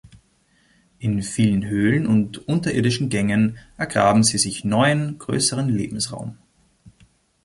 In vielen Höhlen und unterirdischen Gängen ergraben sie sich neuen, größeren Lebensraum.